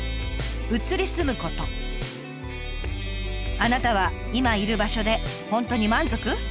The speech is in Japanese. あなたは今いる場所で本当に満足？